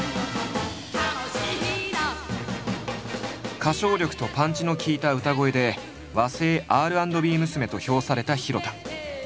歌唱力とパンチの効いた歌声で「和製Ｒ＆Ｂ娘」と評された弘田。